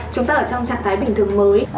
chúng ta ở trong trạng thái bình thường mới